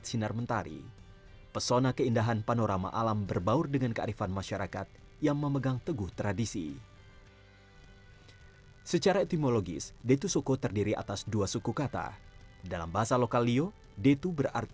sampai jumpa di video selanjutnya